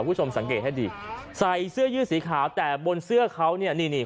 คุณผู้ชมสังเกตให้ดีใส่เสื้อยืดสีขาวแต่บนเสื้อเขาเนี่ยนี่นี่